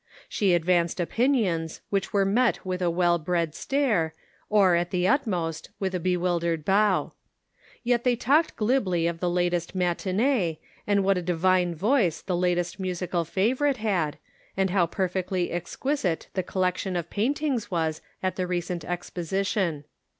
She advanced opinions which were met with a well bred stare, or, at the utmost, with a bewildered bow ; yet Measuring Brains and Hearts. 117 they talked glibly of the last matinee, and what a divine voice the latest musical favorite had, and how perfectly exquisite the collec tion of paintings was at the recent Exposition.